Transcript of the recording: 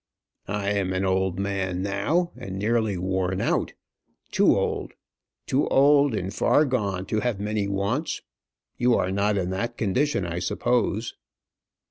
"I am an old man now, and nearly worn out; too old and far gone to have many wants. You are not in that condition, I suppose."